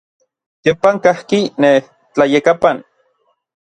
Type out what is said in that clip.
Teopan kajki nej tlayekapan.